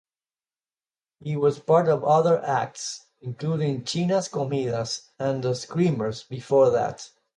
He was part of other acts, including Chinas Comidas and The Screamers before that.